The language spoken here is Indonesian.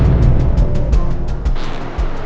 aku cuma berhati hati